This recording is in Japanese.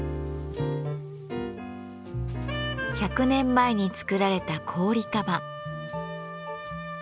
１００年前に作られた行李鞄。